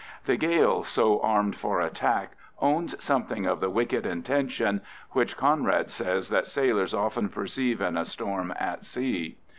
The gale so armed for attack owns something of the wicked intention which Conrad says that sailors often perceive in a storm at sea.